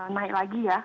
naik lagi ya